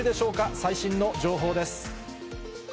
最新の情報です。